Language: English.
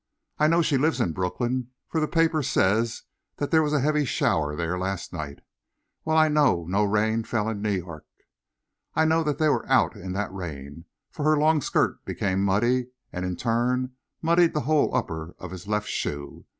I know she lives in Brooklyn, for the paper says there was a heavy shower there last night, while I know no rain fell in New York. I know that they were out in that rain, for her long skirt became muddy, and in turn muddied the whole upper of his left shoe.